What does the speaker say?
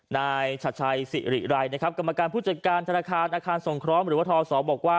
ในชัดใช่๔รี่ไรกรมการผู้จัดการธนาคารอาคารทรงคร้อมหรือทอสบอกว่า